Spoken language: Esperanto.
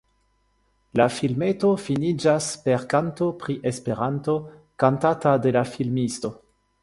La filmeto finiĝas per kanto pri Esperanto, kantata de la filmisto.